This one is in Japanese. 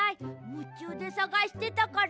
むちゅうでさがしてたから。